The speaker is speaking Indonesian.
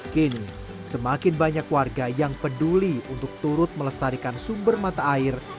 kini semakin banyak warga yang peduli untuk turut melestarikan sumber mata air